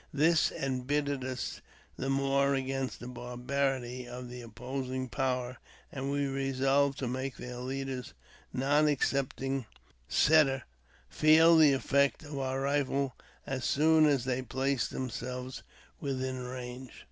This embittered us the more against the barbarity of the opposing power, and we resolved to make their leaders, not excepting Sutter, feel the effects of our rifles as soon as they placed themselves within range.